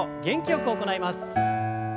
元気よく行います。